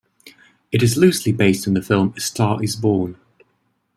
It is loosely based on the film "A Star Is Born".